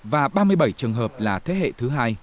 và ba mươi bảy trường hợp là thế hệ thứ hai